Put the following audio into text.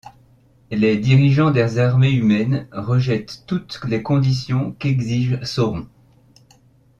Les dirigeants des armées humaines rejettent toutes les conditions qu'exige Sauron.